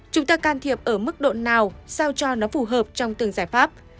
chúng ta can thiệp ở mức độ nào sao cho nó phù hợp trong từng giải pháp